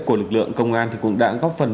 của lực lượng công an thì cũng đã góp phần